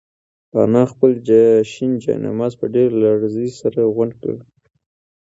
انا خپل شین جاینماز په ډېرې لړزې سره غونډ کړ.